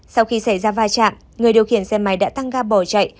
sau khi xảy ra va chạm người điều khiển xe máy đã tăng ga bỏ chạy